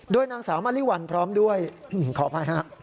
ด้วยนางสาวมะลิวัลพร้อมด้วยขอบภัยนะครับ